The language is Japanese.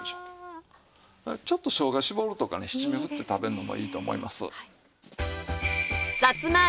ちょっとしょうが搾るとかね七味振って食べるのもいいと思います。